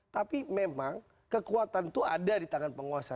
tapi memang kekuatan itu ada di tangan penguasa